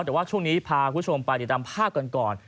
แต่ว่าช่วงนี้พาคุณผู้ชมไปติดตามภาพกันก่อน